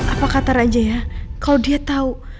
apa kata raja ya kalau dia tahu